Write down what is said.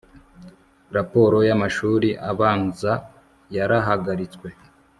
raporo y'amashuri abanzayarahagaritswe